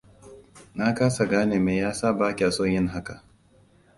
Na kasa gane me yasa ba kya son yin haka.